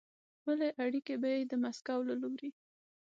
خپلې اړیکې به یې د مسکو له لوري